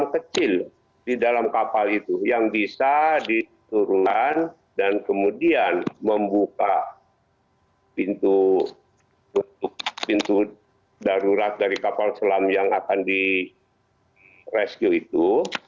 yang kecil di dalam kapal itu yang bisa diturunkan dan kemudian membuka pintu darurat dari kapal selam yang akan di rescue itu